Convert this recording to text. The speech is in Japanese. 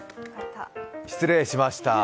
失礼しましたー。